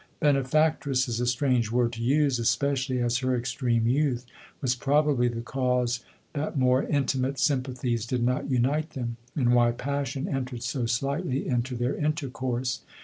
Benefactress is a strange word to use , espe cially as her extreme youth was probably the cause that more intimate sympathies did not unite them, and why passion entered so slightly into their intercourse.